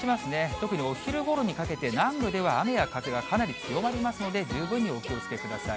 特にお昼ごろにかけて、南部では雨や風がかなり強まりますので、十分にお気をつけください。